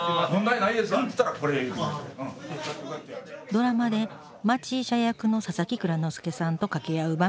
ドラマで町医者役の佐々木蔵之介さんと掛け合う場面。